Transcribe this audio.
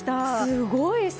すごい差。